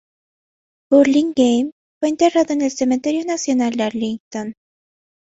Burlingame fue enterrado en el Cementerio Nacional de Arlington.